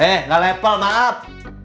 eh nggak lepel maaf